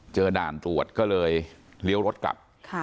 ด่านตรวจก็เลยเลี้ยวรถกลับ